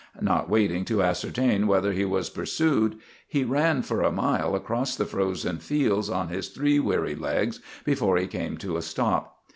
Not waiting to ascertain whether he was pursued, he ran for a mile across the frozen fields on his three weary legs before he came to a stop.